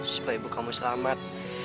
supaya ibu kamu selamat